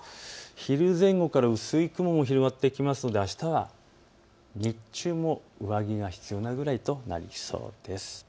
昼前後から薄い雲が広がってきますので、あしたは日中も上着が必要なくらいとなりそうです。